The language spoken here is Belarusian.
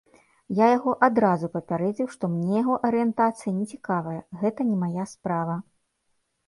Я яго адразу папярэдзіў, што мне яго арыентацыя не цікавая, гэта не мая справа.